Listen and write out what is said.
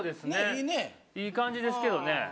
いい感じですけどね。